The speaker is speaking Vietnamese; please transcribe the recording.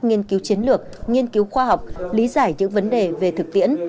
nghiên cứu chiến lược nghiên cứu khoa học lý giải những vấn đề về thực tiễn